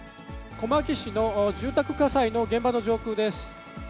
小牧市の住宅火災の現場の上空です。